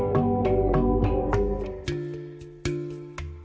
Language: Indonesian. kau mencari aku pengeleng eleng